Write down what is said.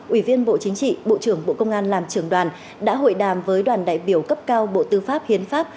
ủy viên bộ chính trị bộ trưởng bộ công an làm trưởng đoàn đã hội đàm với đoàn đại biểu cấp cao bộ tư pháp hiến pháp